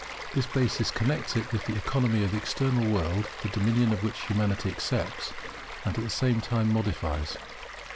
This basis connects it with the Economy of the external world, the dominion of which Humanity accepts, and at the same time modifies.